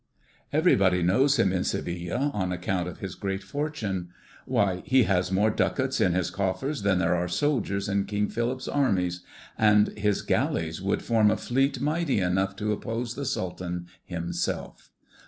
"Everybody knows him in Seville on account of his great fortune. Why, he has more ducats in his coffers than there are soldiers in King Philip's armies; and his galleys would form a fleet mighty enough to oppose the Sultan himself.